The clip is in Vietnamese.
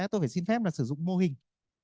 tôi phải xin phép là sử dụng mô hình